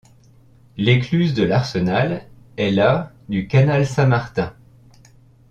L'écluse de l'Arsenal est la du canal Saint-Martin.